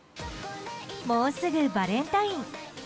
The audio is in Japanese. もうすぐバレンタイン。